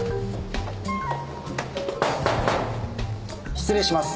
失礼します。